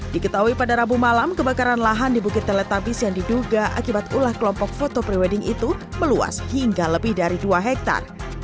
diketahui pada rabu malam kebakaran lahan di bukit teletabis yang diduga akibat ulah kelompok foto pre wedding itu meluas hingga lebih dari dua hektare